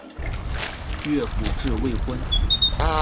越谷治未婚。